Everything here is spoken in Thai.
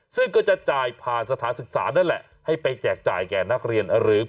ซึ่งก็จะจ่ายผ่านสถานศึกษานั่นแหละให้ไปแจกจ่ายแก่นักเรียนนักศึกษาแล้วนะครับ